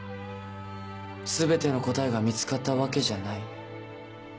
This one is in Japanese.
全ての答えが見つかったわけじゃない。